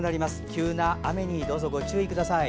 急な雨にどうぞご注意ください。